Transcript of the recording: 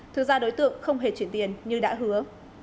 thực ra đối tượng không hề chuyển tiền như đã hứa